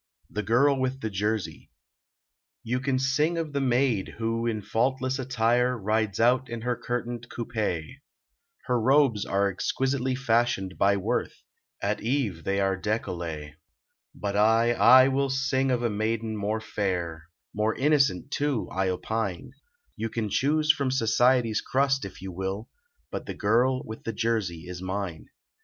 THE GIRL WITH THE JERSEY You can sing of the maid Who, in faultless attire, Rides out in her curtained coupe; Her robes are exquisitely fashioned by Worth At eve they are decollette; But I, I will sing of a maiden more fair, More innocent, too, I opine; You can choose from society s crust, if you will, But the girl with the jersey is mine.